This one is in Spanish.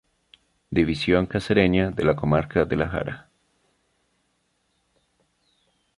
División cacereña de la comarca de La Jara.